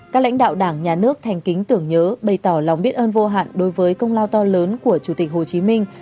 các lãnh đạo đảng nhà nước thành kính tưởng nhớ bày tỏ lòng biết ơn vô hạn đối với công lao to lớn của chủ tịch hồ chí minh